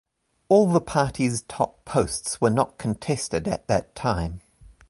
All the party's top posts were not contested at that time.